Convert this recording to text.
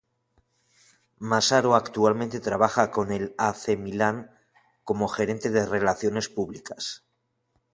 Massaro actualmente trabaja con el A. C. Milan como gerente de relaciones públicas.